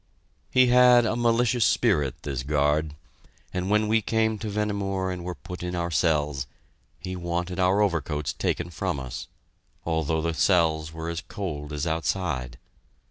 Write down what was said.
He had a malicious spirit, this guard, and when we came to Vehnemoor and were put in our cells, he wanted our overcoats taken from us, although the cells were as cold as outside.